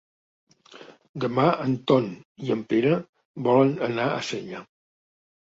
Demà en Ton i en Pere volen anar a Sella.